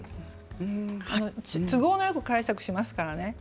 都合よく解釈しますからね。